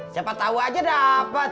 siapa tau aja dapet